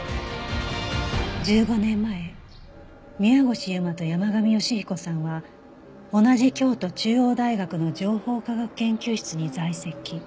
１５年前宮越優真と山神芳彦さんは同じ京都中央大学の情報科学研究室に在籍